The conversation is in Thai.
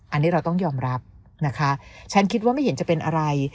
อันนี้เราต้องยอมรับนะคะฉันคิดว่าไม่เห็นจะเป็นอะไร